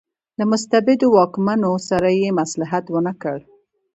له مستبدو واکمنو سره یې مصلحت ونکړ.